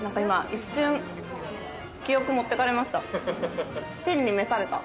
一瞬記憶持って行かれました。